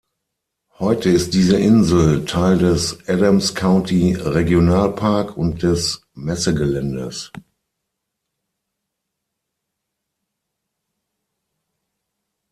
Heute ist diese Insel Teil des Adams County Regional Park und des Messegeländes.